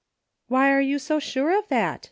*' Why are you so sure of that .